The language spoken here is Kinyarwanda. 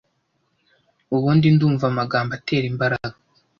Ubundi ndumva amagambo atera imbaraga